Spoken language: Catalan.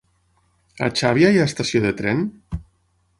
A Xàbia hi ha estació de tren?